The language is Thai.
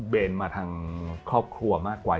เบนมาทางครอบครัวมากกว่า